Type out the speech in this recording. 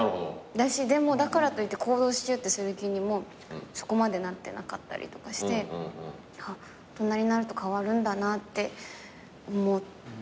でもだからといって行動する気にもそこまでなってなかったりとかして大人になると変わるんだなって思ってます。